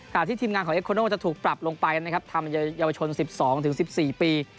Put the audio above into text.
ค่ะที่ทีมงานของจะถูกปรับลงไปนะครับทำใหญ่เยาวชน๑๒๑๔ปี